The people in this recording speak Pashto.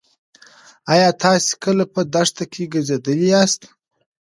ایا تاسې کله په دښته کې ګرځېدلي یاست؟